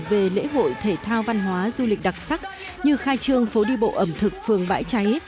về lễ hội thể thao văn hóa du lịch đặc sắc như khai trương phố đi bộ ẩm thực phường bãi cháy